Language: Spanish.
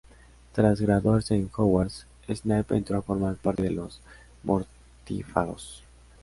Tras graduarse en Hogwarts, Snape entró a formar parte de los Mortífagos.